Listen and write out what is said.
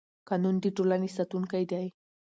قانون د ټولنې ساتونکی دی